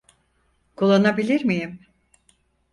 Kullanabilir miyim?